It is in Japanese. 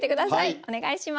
お願いします。